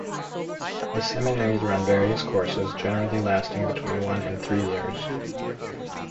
The seminaries run various courses generally lasting between one and three years.